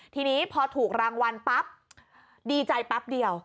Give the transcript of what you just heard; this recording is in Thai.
ทีนี้พอถูกรางวัลปั๊บดีใจแป๊บเดียว